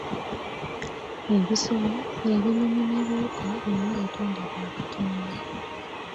Ebisolo, ebinyonyi n’ebiwuka byonna bitonde bya Katonda.